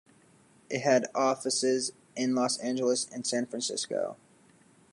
It had offices in Los Angeles and San Francisco.